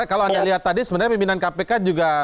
kalau anda lihat tadi sebenarnya pimpinan kpk juga